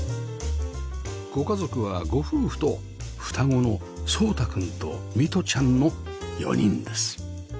ご家族はご夫婦と双子の奏詠くんと弥杜ちゃんの４人です